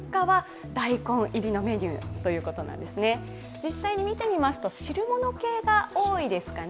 実際に見てみますと汁物系が多いですかね。